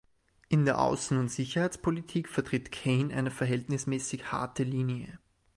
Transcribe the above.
In der Außen- und Sicherheitspolitik vertritt Kaine eine verhältnismäßig harte Linie.